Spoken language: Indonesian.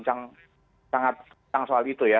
lagi berbincang tentang soal itu ya